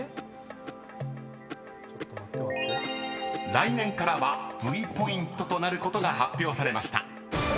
［来年からはＶポイントとなることが発表されました］